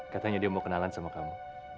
katanya dia mau kenalan sama kamu